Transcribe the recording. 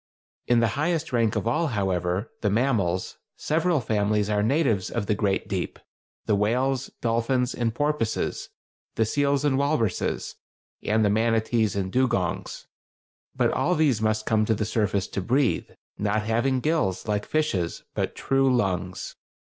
In the highest rank of all, however, the mammals, several families are natives of the "great deep"—the whales, dolphins, and porpoises, the seals and walruses, and the manatees and dugongs. But all these must come to the surface to breathe, not having gills like fishes, but true lungs.